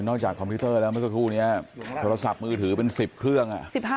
คอมพิวเตอร์แล้วเมื่อสักครู่นี้โทรศัพท์มือถือเป็น๑๐เครื่อง